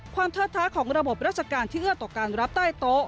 เทิดท้าของระบบราชการที่เอื้อต่อการรับใต้โต๊ะ